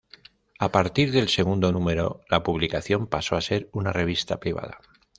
A partir del segundo número la publicación pasó a ser una revista privada.